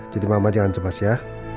jadi mama jangan semas ya